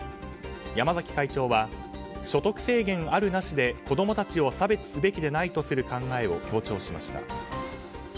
山崎会長は所得制限ある、なしで子供たちを差別すべきでないとする考えを強調しました。